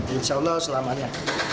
insya allah selamanya